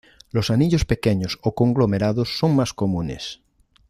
Los anillos pequeños o conglomerados son más comunes.